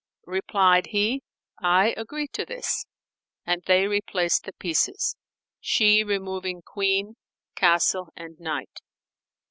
Replied he, "I agree to this;" and they replaced the pieces, she removing queen, castle and knight.